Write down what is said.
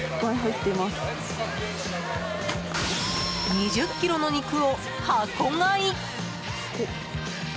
２０ｋｇの肉を箱買い！